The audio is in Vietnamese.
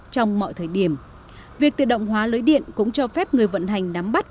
trong mọi thời điểm việc tự động hóa lưới điện cũng cho phép người vận hành nắm bắt